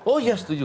oh ya setuju